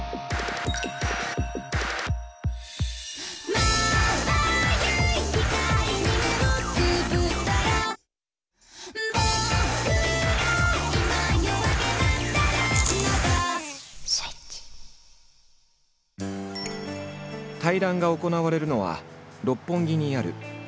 対談が行われるのは六本木にあるとあるビル。